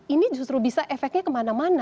ini justru bisa efeknya kemana mana